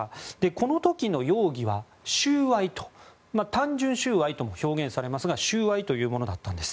この時の容疑は収賄単純収賄とも表現されますが収賄というものだったんです。